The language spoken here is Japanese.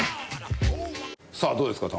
さあどうですか？